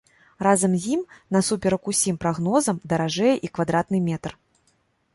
Разам з ім, насуперак усім прагнозам, даражэе і квадратны метр.